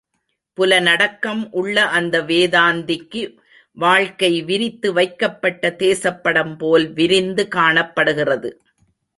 புலனடக்கம் உள்ள அந்த வேதாந்திக்கு வாழ்க்கை விரித்து வைக்கப்பட்ட தேசப்படம் போல் விரிந்து காணப்படுகிறது.